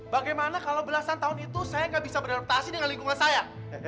bagaimana kalau belasan tahun itu saya nggak bisa beradaptasi dengan lingkungan saya